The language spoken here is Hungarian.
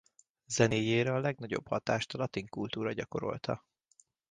Zenéjére a legnagyobb hatást a latin kultúra gyakorolta.